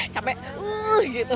capek wuuuh gitu